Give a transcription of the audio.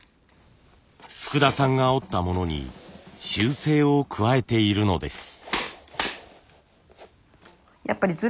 福田さんが織ったものに修正を加えているのです。